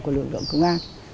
của lượng động công an